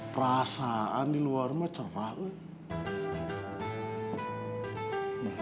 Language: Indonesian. perasaan di luar mecerah